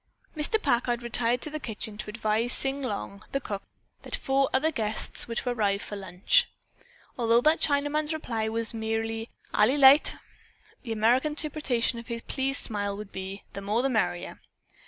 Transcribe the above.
Mr. Packard retired to the kitchen to advise Sing Long, the cook, that four other guests were to arrive for lunch. Although that Chinaman's reply was merely "Ally lite" the American interpretation of his pleased smile would be, "the more the merrier."